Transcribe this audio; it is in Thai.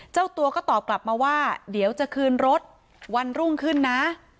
เจ้าตัวก็ตอบกลับมาว่าเดี๋ยวจะคืนรถวันรุ่งขึ้นนะ